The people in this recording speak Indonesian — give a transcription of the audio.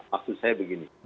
maksud saya begini